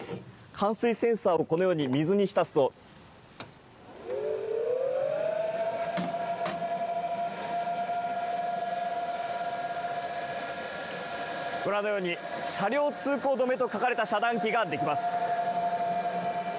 冠水センサーをこのように水に浸すと、ご覧のように、車両通行止めと書かれた遮断機が出来ます。